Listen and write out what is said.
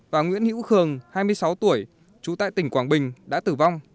và nguyễn hữu khường hai mươi sáu tuổi chú tại tỉnh quảng bình đã tử vong